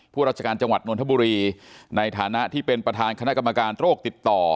ราชการจังหวัดนทบุรีในฐานะที่เป็นประธานคณะกรรมการโรคติดต่อ